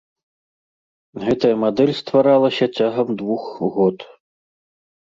Гэтая мадэль стваралася цягам двух год.